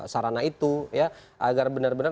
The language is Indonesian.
sarana itu ya agar benar benar